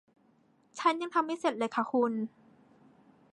ฉันยังทำไม่เสร็จเลยค่ะคุณ